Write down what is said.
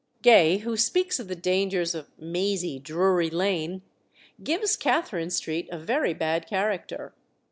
Gay, who speaks of the dangers of "mazy Drury Lane," gives Catherine Street a very bad character.